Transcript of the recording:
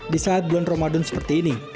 di saat bulan ramadan seperti ini